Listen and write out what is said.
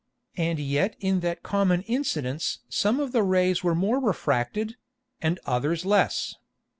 And yet in that common Incidence some of the Rays were more refracted, and others less.